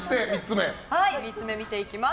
３つ目見ていきます。